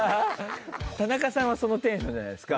田中さんはそのテンションじゃないですか。